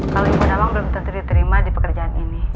kalau ibu nawang belum tentu diterima di pekerjaan ini